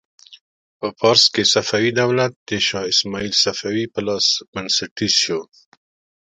په فارس کې صفوي دولت د شا اسماعیل صفوي په لاس بنسټیز شو.